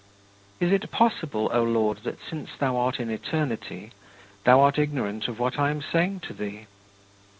Is it possible, O Lord, that, since thou art in eternity, thou art ignorant of what I am saying to thee?